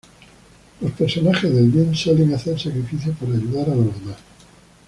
Los personajes del Bien suelen hacer sacrificios para ayudar a los demás.